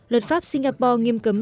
luật pháp singapore nghiêm cấm